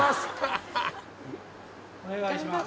お願いします。